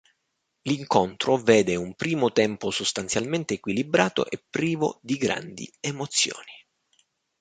L'incontro vede un primo tempo sostanzialmente equilibrato e privo di grandi emozioni.